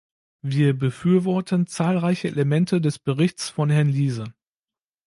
Wir befürworten zahlreiche Elemente des Berichts von Herrn Liese.